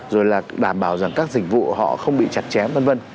rồi là đảm bảo rằng các dịch vụ họ không bị chặt chém v v